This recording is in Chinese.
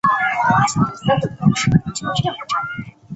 石刻凿于黄砂石崖壁上。